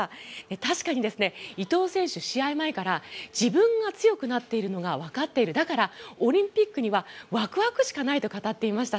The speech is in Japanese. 確かに、伊藤選手試合前から自分が強くなっているのが分かっているだからオリンピックにはワクワクしかないと語っていました。